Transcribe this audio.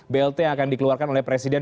blt yang akan dikeluarkan oleh presiden